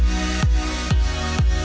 tahan tersedia ke